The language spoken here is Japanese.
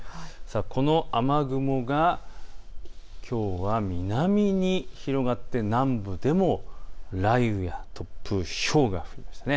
この雨雲がきょうは南に広がって南部でも雷雨や突風、ひょうがありました。